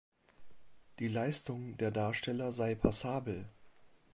Die Leistung der Darsteller sei „passabel“.